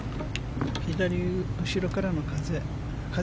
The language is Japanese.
左後ろからの風。